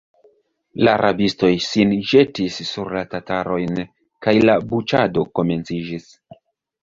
La rabistoj sin ĵetis sur la tatarojn, kaj la buĉado komenciĝis.